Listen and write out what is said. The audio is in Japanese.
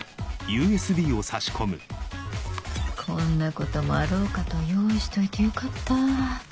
こんなこともあろうかと用意しておいてよかった。